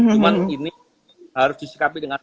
cuma ini harus disikapi dengan